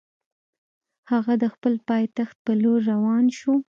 هغه د خپل پایتخت پر لور روان شو.